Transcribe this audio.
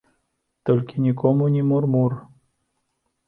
Толькі нікому ні мур-мур.